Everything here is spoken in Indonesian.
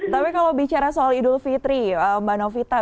tapi kalau bicara soal idul fitri mbak novita